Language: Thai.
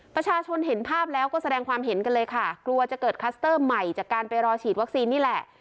ประชาชนเห็นภาพแล้วก็แสดงความเห็นกันเลยค่ะกลัวจะเกิดคัสเตอร์ใหม่จากการไปรอฉีดวัคซีนนี่แหละ